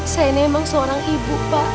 saya ini emang seorang ibu pak